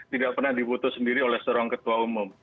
tidak pernah diputus sendiri oleh seorang ketua umum